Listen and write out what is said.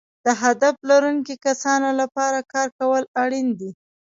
د هدف لرونکو کسانو لپاره کار کول اړین دي.